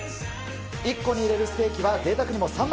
１個に入れるステーキはぜいたくにも３枚。